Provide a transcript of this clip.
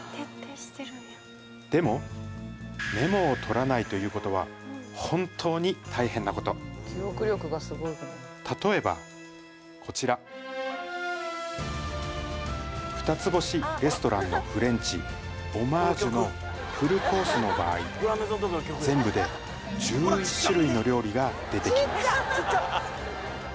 でもメモを取らないということは本当に大変なこと例えばこちら二つ星レストランのフレンチオマージュのフルコースの場合全部で１１種類の料理が出てきます